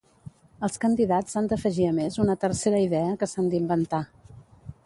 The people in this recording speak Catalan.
Els candidats han d'afegir a més una tercera idea, que s'han d'inventar.